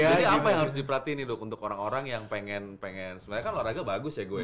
jadi apa yang harus diperhatiin nih dok untuk orang orang yang pengen sebenarnya kan luar raga bagus ya gue ya